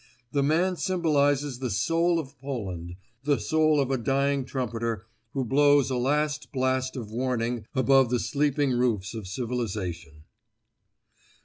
The man symbolises the soul of Poland—the soul of a dying trumpeter who blows a last blast of warning above the sleeping roofs of civilization.